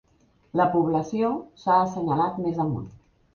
La població s'ha assenyalat més amunt.